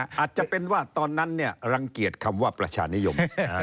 อาจจะเป็นว่าตอนนั้นรังเกียจคำว่าประชานิยม